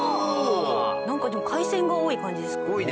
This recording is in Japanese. なんかでも海鮮が多い感じですかね。